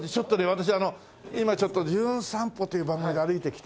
私あの今ちょっと『じゅん散歩』っていう番組で歩いてきて。